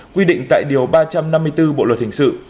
quy định tại điều ba trăm năm mươi bốn bộ luật hình sự